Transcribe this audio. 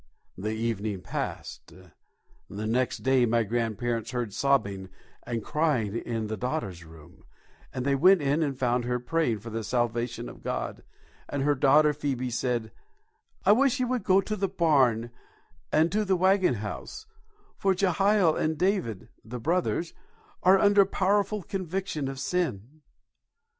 The evening passed. The next day my grandparents heard sobbing and crying in the daughter's room, and they went in and found her praying for the salvation of God, and her daughter Phoebe said, "I wish you would go to the barn and to the waggon house for Jehiel and David (the brothers) are under powerful conviction of sin."